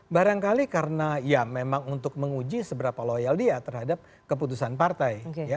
barangkali karena ya memang untuk menguji seberapa loyal dia terhadap keputusan partai